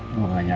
gue mau tanya